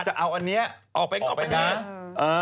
จะเอาอันนี้ออกไปนะ